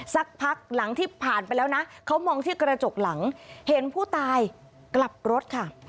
สักพักหลังที่ผ่านไปแล้วนะเขามองที่กระจกหลังเห็นผู้ตายกลับรถค่ะ